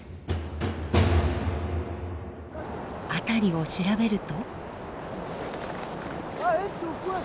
辺りを調べると。